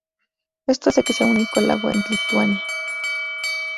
Esto hace que sea un único lago en Lituania.